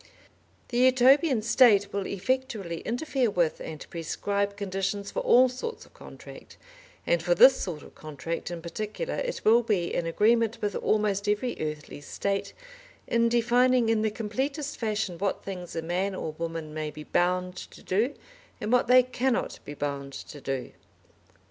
The Utopian State will effectually interfere with and prescribe conditions for all sorts of contract, and for this sort of contract in particular it will be in agreement with almost every earthly State, in defining in the completest fashion what things a man or woman may be bound to do, and what they cannot be bound to do.